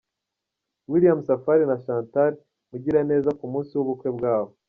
William Safari na Chantal Mugiraneza ku munsi w'ubukwe bwabo.